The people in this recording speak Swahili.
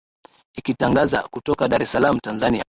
ikitangaza kutoka dar es salaam tanzania